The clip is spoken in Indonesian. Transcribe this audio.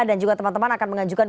dan juga teman teman akan mengajukan